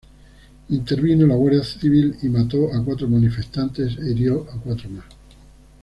Intervino la Guardia Civil y mató a cuatro manifestantes e hirió a cuatro más.